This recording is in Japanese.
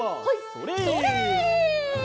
それ！